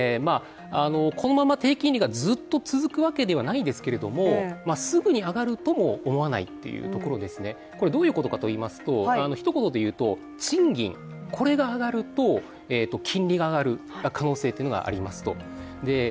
このまま低金利がずっと続くわけではないんですけれどもすぐに上がるとも思わないというところですねどういうことかといいますと、ひと言でいうと賃金、これが上がると金利が上がる可能性というのがありますと。